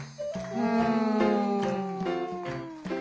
うん。